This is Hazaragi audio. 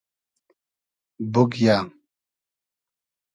بوگیۂ